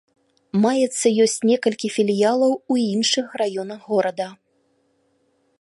Маецца ёсць некалькі філіялаў у іншых раёнах горада.